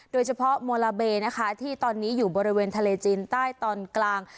โดยเฉพาะโมลาเบนะคะที่ตอนนี้อยู่บริเวณทะเลจีนใต้ตอนกลาง